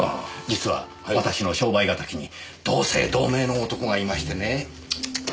実は私の商売敵に同姓同名の男がいましてね。